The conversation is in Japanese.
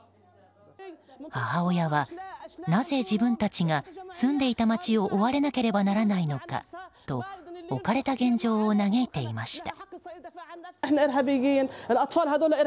母親は、なぜ自分たちが住んでいた街を追われなければならないのかと置かれた現状を嘆いていました。